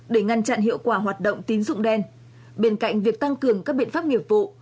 để ngăn chặn hiệu quả hoạt động tín dụng đen bên cạnh việc tăng cường các biện pháp nghiệp vụ